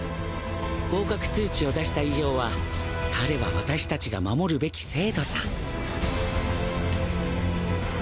合格通知を出した以上は彼は私達が守るべき生徒さ。